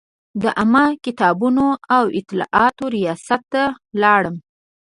د عامه کتابتون او اطلاعاتو ریاست ته لاړم.